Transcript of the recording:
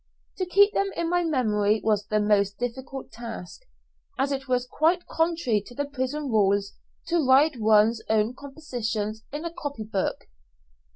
To keep them in my memory was the most difficult task, as it was quite contrary to the prison rules to write one's own compositions in a copy book.